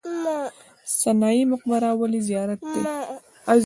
سنايي مقبره ولې زیارت دی؟